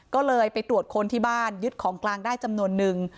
ก็เลยไปตรวจค้นที่บ้านยึดของกลางได้จำนวนนึง